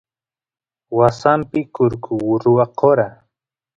wasampi kurku rwakora